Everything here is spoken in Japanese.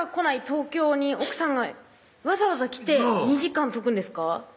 東京に奥さんがわざわざ来て２時間解くんですか？